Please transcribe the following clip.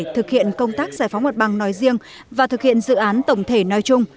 thực hiện công tác giải phóng mặt bằng nói riêng và thực hiện dự án tổng thể nói chung